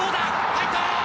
入った！